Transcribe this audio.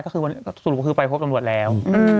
ก็คือสรุปก็คือไปพบตำรวจแล้ว